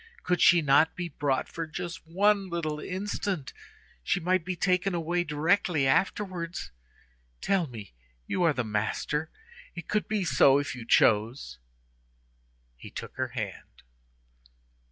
Could she not be brought for just one little instant? She might be taken away directly afterwards. Tell me; you are the master; it could be so if you chose!" He took her hand.